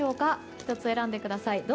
１つ選んでください。